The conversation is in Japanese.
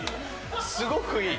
すごくいい。